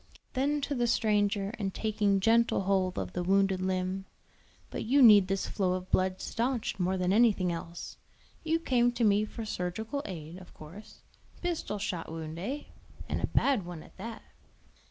Then to the stranger, and taking gentle hold of the wounded limb: "But you need this flow of blood stanched more than anything else. You came to me for surgical aid, of course. Pistol shot wound, eh? and a bad one at that."